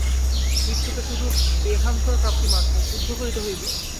মৃত্যু তো শুধু দেহান্তরপ্রাপ্তি মাত্র! যুদ্ধ করিতে হইবে।